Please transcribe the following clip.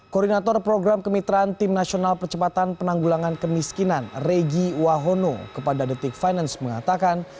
koordinator program kemitraan tim nasional percepatan penanggulangan kemiskinan regi wahono kepada detik finance mengatakan